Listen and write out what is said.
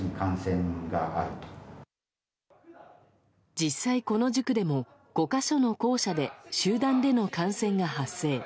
実際、この塾でも５か所の校舎で集団での感染が発生。